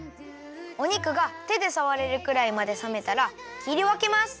お肉がてでさわれるくらいまでさめたらきりわけます。